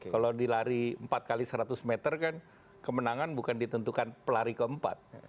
kalau dilari empat x seratus meter kan kemenangan bukan ditentukan pelari keempat